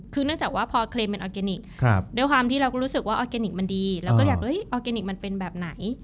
คือเนื่องจากว่าพอเคลมเป็นออร์แกนิคด้วยความที่เราก็รู้สึกว่าออร์แกนิคมันดีเราก็อยากออร์แกนิคมันเป็นแบบไหน